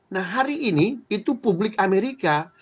nah hari ini itu publik amerika